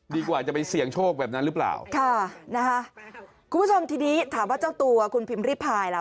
กว่าจะไปเสี่ยงโชคแบบนั้นหรือเปล่าค่ะนะคะคุณผู้ชมทีนี้ถามว่าเจ้าตัวคุณพิมพ์ริพายล่ะ